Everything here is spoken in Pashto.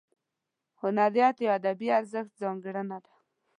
هنریت یا ادبي ارزښت ځانګړنه ده.